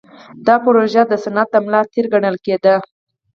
دا پروژې د صنعت د ملا تیر ګڼل کېدې.